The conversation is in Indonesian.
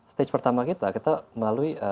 stage pertama kita kita melalui